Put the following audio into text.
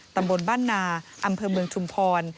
ตำบลบ้านนาอำเภอเมืองชุมพร